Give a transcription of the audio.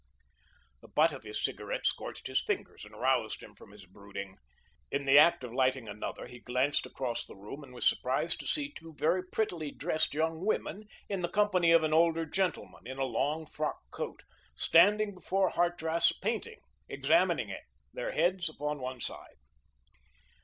The butt of his cigarette scorched his fingers and roused him from his brooding. In the act of lighting another, he glanced across the room and was surprised to see two very prettily dressed young women in the company of an older gentleman, in a long frock coat, standing before Hartrath's painting, examining it, their heads upon one side.